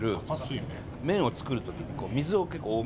麺を作る時に水を結構多めに入れる。